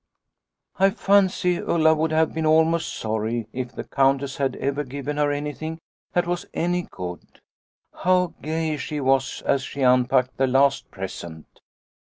" I fancy Ulla would have been almost sorry if the Countess had ever given her anything that was any good. How gay she was as she unpacked the last present.